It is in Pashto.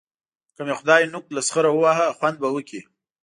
که مې خدای نوک له سخره وواهه؛ خوند به وکړي.